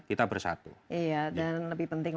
kita bersatu dan lebih penting